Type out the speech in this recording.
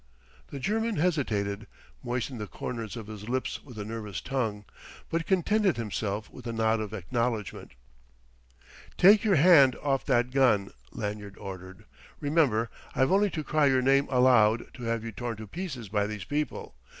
The German hesitated, moistened the corners of his lips with a nervous tongue, but contented himself with a nod of acknowledgement. "Take your hand off that gun," Lanyard ordered. "Remember I've only to cry your name aloud to have you torn to pieces by these people.